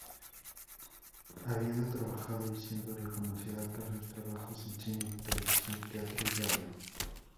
Habiendo trabajado y siendo reconocida por sus trabajos en cine, televisión, teatro y radio.